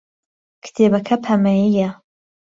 کتێبەکە پەمەیییە.